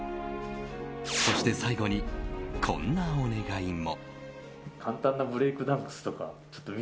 そして最後にこんなお願いも。